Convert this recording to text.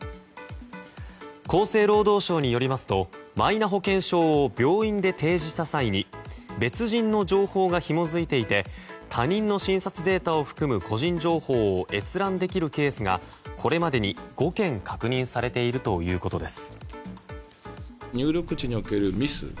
厚生労働省によりますとマイナ保険証を病院で提示した際に別人の情報がひも付いていて他人の診察データを含む個人情報を閲覧できるケースがこれまでに５件確認されているということです。